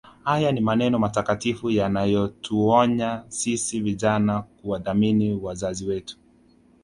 Haya ni maneno matakatifu yanayotuonya sisi vijana kuwathamini wazazi wetu